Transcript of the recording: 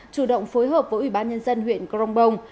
chủ động phối hợp với ubnd huyện crong bong